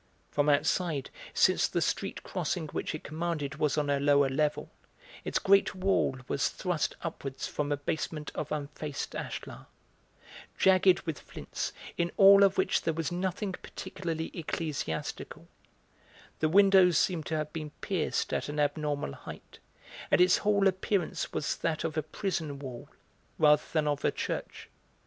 From outside, since the street crossing which it commanded was on a lower level, its great wall was thrust upwards from a basement of unfaced ashlar, jagged with flints, in all of which there was nothing particularly ecclesiastical; the windows seemed to have been pierced at an abnormal height, and its whole appearance was that of a prison wall rather than of a church.